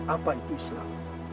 apa itu islam